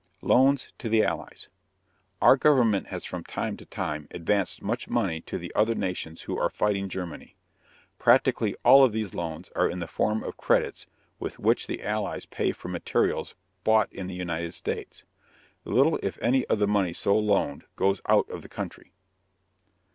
LOANS TO THE ALLIES. Our government has from time to time advanced much money to the other nations who are fighting Germany. Practically all of these loans are in the form of credits with which the Allies pay for materials bought in the United States. Little if any of the money so loaned goes out of the country.